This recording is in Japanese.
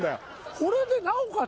これでなおかつ